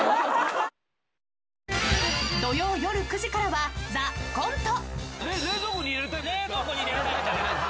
土曜夜９時からは「ＴＨＥＣＯＮＴＥ」。